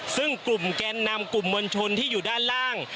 ซึ่งกลุ่มแกนนำกลุ่มมวลชนที่อยู่ด้านล่าง